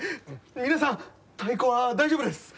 皆さん太鼓は大丈夫です！